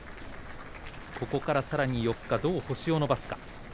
ここからさらに４日どう星を伸ばすか。